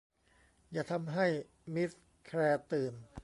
อย่าทำให้มิสแคลร์ตื่น